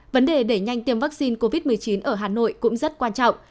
vấn đề đẩy nhanh tiêm vaccine covid một mươi chín ở hà nội cũng rất quan trọng